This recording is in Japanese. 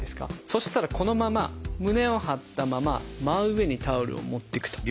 そしたらこのまま胸を張ったまま真上にタオルを持っていくと。